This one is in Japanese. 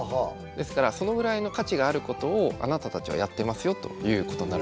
ですからそのぐらいの価値があることをあなたたちはやってますよということになるわけです。